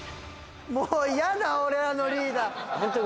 もう嫌だ、俺、あのリーダー。